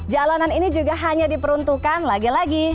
jalanan ini juga hanya diperuntukkan lagi lagi